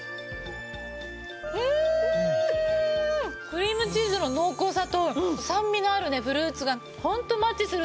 クリームチーズの濃厚さと酸味のあるフルーツがホントマッチするんですよね。